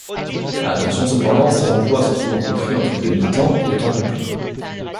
Attention cependant, ces emplois sont souvent compris entre le mi-temps et le temps complet.